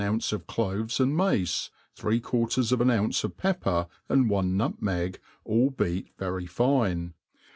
punceof cloVes and mace, three quar ters of an ounce of pepper, ai|d one nutmeg, all beat very fine.